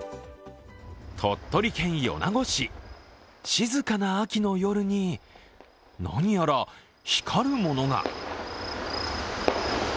鳥取県米子市、静かな秋の夜に何やら光るものが。